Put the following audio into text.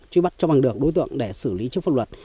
truy bắt cho bằng được đối tượng để xử lý trước pháp luật